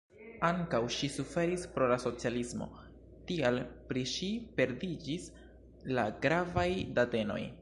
Ankaŭ ŝi suferis pro la socialismo, tial pri ŝi perdiĝis la gravaj datenoj.